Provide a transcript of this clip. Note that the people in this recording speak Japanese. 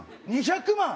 ２００万！？